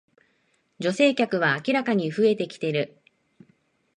女性客は明らかに増えてきてる